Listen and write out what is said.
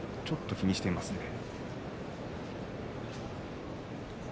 ちょっと気にしています。